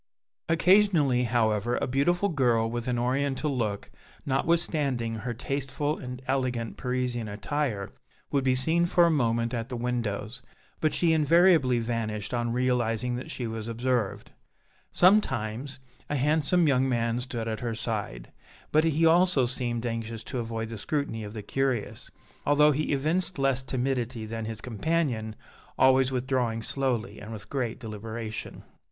Occasionally, however, a beautiful girl, with an oriental look notwithstanding her tasteful and elegant Parisian attire, would be seen for a moment at the windows, but she invariably vanished on realizing that she was observed. Sometimes, a handsome young man stood at her side, but he also seemed anxious to avoid the scrutiny of the curious, although he evinced less timidity than his companion, always withdrawing slowly and with great deliberation.